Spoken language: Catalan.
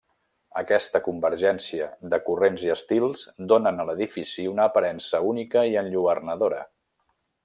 Aquesta convergència de corrents i estils donen a l'edifici una aparença única i enlluernadora.